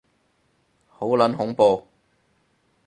好撚恐怖